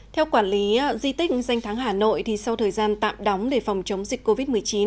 theo quản lý di tích danh tháng hà nội sau thời gian tạm đóng để phòng chống dịch covid một mươi chín